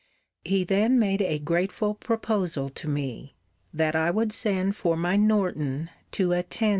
He then made a grateful proposal to me: 'that I would send for my Norton to attend me.'